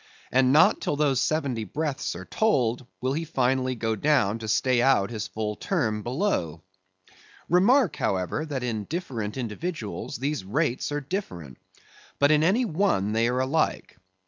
And not till those seventy breaths are told, will he finally go down to stay out his full term below. Remark, however, that in different individuals these rates are different; but in any one they are alike.